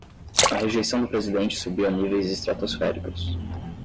A rejeição do presidente subiu a níveis estratosféricos